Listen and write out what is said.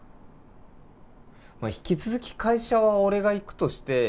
引き続き会社は俺が行くとして。